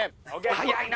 早いな！